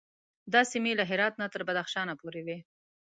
دا سیمې له هرات نه تر بدخشان پورې وې.